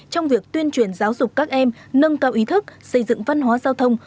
trong việc tuyên truyền giáo dục các em nâng cao ý thức xây dựng văn hóa giao thông